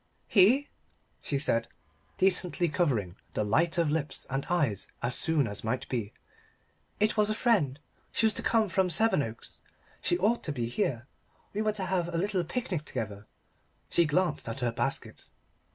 "He?" she said, decently covering the light of lips and eyes as soon as might be. "It was a friend. She was to come from Sevenoaks. She ought to be here. We were to have a little picnic together." She glanced at her basket.